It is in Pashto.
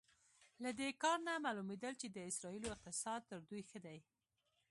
له دې کار نه معلومېدل چې د اسرائیلو اقتصاد تر دوی ښه دی.